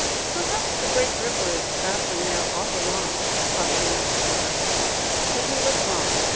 "Perhaps the great river is travelling there all along," thought the eldest child. But he was wrong.